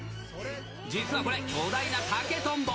実はこれ、巨大な竹とんぼ。